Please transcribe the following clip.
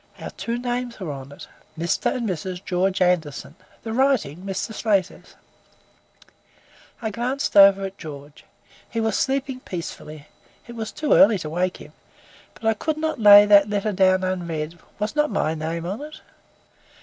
Our two names were on it Mr. and Mrs. George Anderson: the writing, Mr. Slater's. I glanced over at George. He was sleeping peacefully. It was too early to wake him, but I could not lay that letter down unread; was not my name on it?